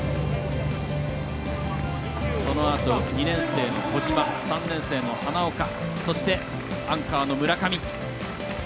そのあと、２年生の小島３年生の花岡そしてアンカーの村上。